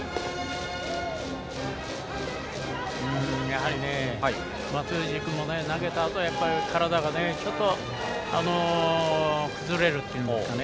やはり松藤君も投げたあと体がちょっと崩れるというんですかね。